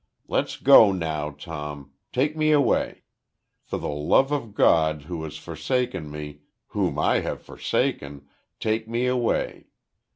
Let's go now, Tom. Take me away! For the love of God who has forsaken me whom I have forsaken take me away!